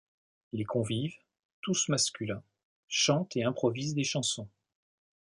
Les convives, tous masculins, chantent et improvisent des chansons.